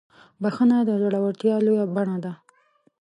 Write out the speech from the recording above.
بخښنه د زړورتیا لوړه بڼه ده.